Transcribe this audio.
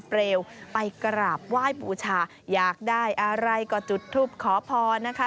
เร็วไปกราบไหว้บูชาอยากได้อะไรก็จุดทูปขอพรนะคะ